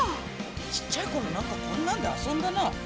ちっちゃいころなんかこんなんで遊んだな。